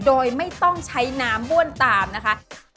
โดยไม่ต้องใช้น้ำบ้วนตามนะคะ